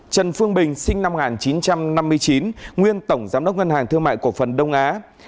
trần phương bình sinh năm một nghìn chín trăm năm mươi chín nguyên tổng giám đốc ngân hàng thương mại cổ phần đông á